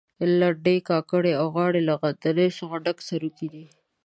لنډۍ، کاکړۍ او غاړې له غندنو څخه ډک سروکي دي.